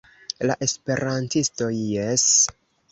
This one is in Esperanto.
La esperantistoj jes.